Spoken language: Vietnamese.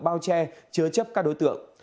bao che chứa chấp các đối tượng